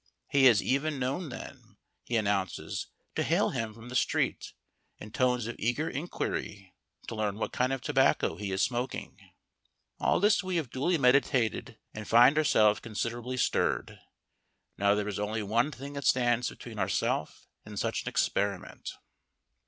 He has even known them, he announces, to hail him from the street, in tones of eager inquiry, to learn what kind of tobacco he is smoking. All this we have duly meditated and find ourselves considerably stirred. Now there is only one thing that stands between ourself and such an experiment.